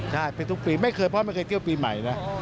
ใช่ไปทุกปีไม่เคยเพราะไม่เคยเที่ยวปีใหม่นะ